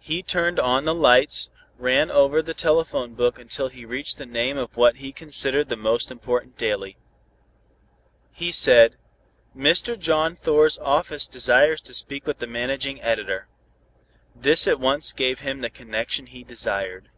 He turned on the lights, ran over the telephone book until he reached the name of what he considered the most important daily. He said: "Mr. John Thor's office desires to speak with the Managing Editor." This at once gave him the connection he desired.